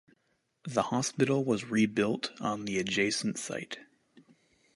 The hospital was rebuilt on the adjacent site.